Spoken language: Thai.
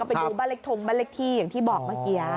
ไปดูบ้านเล็กทงบ้านเล็กที่อย่างที่บอกเมื่อกี้